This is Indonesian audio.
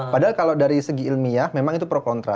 padahal kalau dari segi ilmiah memang itu pro kontra